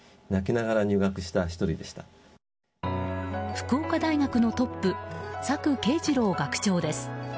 福岡大学のトップ朔啓二郎学長です。